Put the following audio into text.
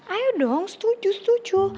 ayo dong setuju setuju